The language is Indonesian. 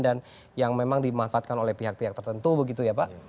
dan yang memang dimanfaatkan oleh pihak pihak tertentu begitu ya pak